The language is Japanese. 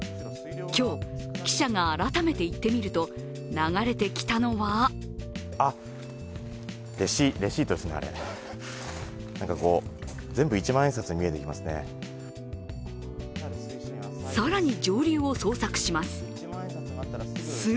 今日、記者が改めて行ってみると流れてきたのは更に上流を捜索します。